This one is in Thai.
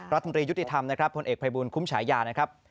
รัฐมนตรียุติธรรมนะครับผลเอกภัยบูลคุ้มฉายานะครับ